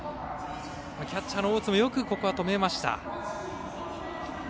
キャッチャーの大津もここはよく止めました。